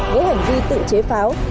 với hành vi tự chế pháo